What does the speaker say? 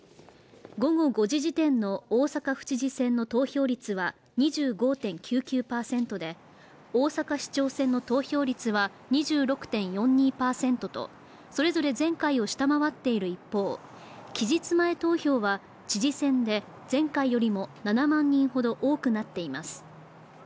午後５時時点の大阪府知事選の投票率は２５．９９％で大阪市長選の投票率は２６．４２％とそれぞれ前回を下回っている一方、期日前投票は知事選で前回よりも７万人ほど多くなっています。